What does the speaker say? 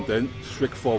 dan kemudian menang